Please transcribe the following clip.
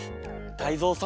タイゾウさん